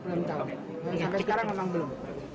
sampai sekarang memang belum